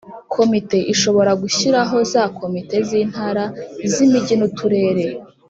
Komite ishobora gushyiraho za Komite z’Intara, iz’ Imijyi n’ Uturere